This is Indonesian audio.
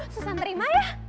susan terima ya